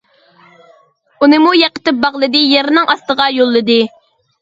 ئۇنىمۇ يىقىتىپ باغلىدى، يەرنىڭ ئاستىغا يوللىدى.